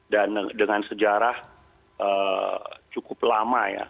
dan dengan sejarah cukup lama ya